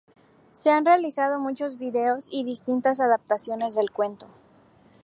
Se han realizado muchos vídeos y distintas adaptaciones del cuento.